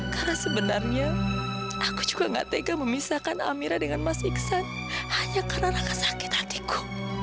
karena sebenarnya aku juga gak tega memisahkan amira dengan mas iksan hanya karena rasa sakit hatiku